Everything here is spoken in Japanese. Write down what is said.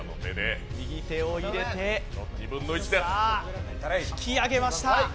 右手を入れて引き上げました。